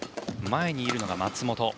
前にいるのが松本。